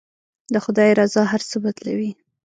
د خدای رضا هر څه بدلوي.